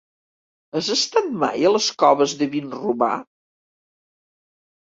Has estat mai a les Coves de Vinromà?